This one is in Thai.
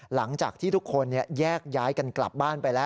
หลังจากที่ทุกคนแยกย้ายกันกลับบ้านไปแล้ว